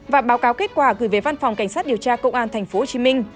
và báo cáo kết quả gửi về văn phòng cảnh sát điều tra công an tp hcm